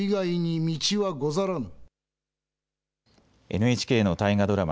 ＮＨＫの大河ドラマ